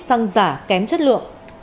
xăng giả kém chất lượng